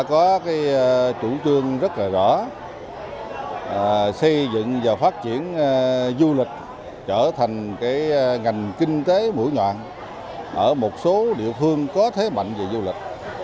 tổng doanh thu đã có chủ trương rất rõ xây dựng và phát triển du lịch trở thành ngành kinh tế mũi nhọn ở một số địa phương có thế mạnh về du lịch